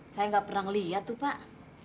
saya gak pernah liat tuh pak